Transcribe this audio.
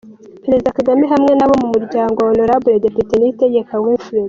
Perezida Kagame hamwe n'abo mu muryango wa Hon Depite Niyitegeka Winfred.